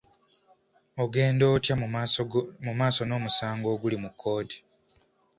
Ogenda otya mu maaso n'omusango oguli mu kkooti?